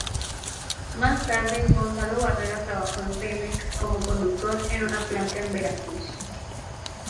Más tarde, González Barrera trabajó en Pemex como conductor en una planta en Veracruz.